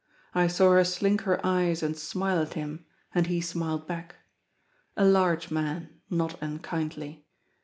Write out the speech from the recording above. I saw her slink her eyes and smile at him, and he smiled back; a large man; not unkindly.